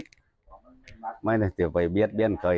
จะไปเบี้ยกับใคร